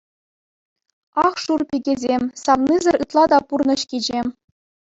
Ах, шур пикесем, савнисӗр ытла та пурнӑҫ кичем.